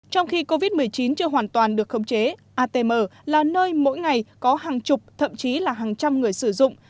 trong khi covid một mươi chín chưa hoàn toàn được khống chế atm là nơi mỗi ngày có hàng chục thậm chí là hàng trăm người sử dụng